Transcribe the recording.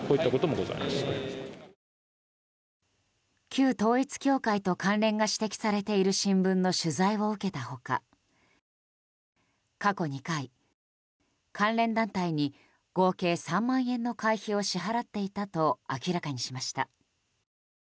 旧統一教会と関連が指摘されている新聞の取材を受けた他過去２回、関連団体に合計３万円の会費を支払っていたと明らかにしました。